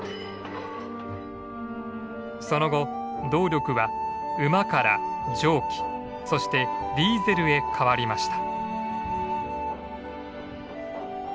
その後動力は馬から蒸気そしてディーゼルへ変わりました。